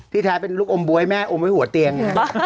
แท้เป็นลูกอมบ๊วยแม่อมไว้หัวเตียง